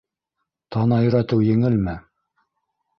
Тана өйрәтеү еңелме?!